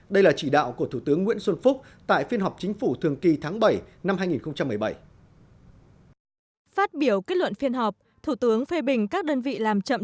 đây là chỉ đạo của thủ tướng nguyễn xuân phúc tại phiên họp chính phủ thường kỳ tháng bảy năm hai nghìn một mươi bảy